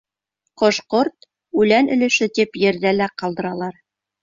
Ҡош-ҡорт, үлән өлөшө тип ерҙә лә ҡалдыралар.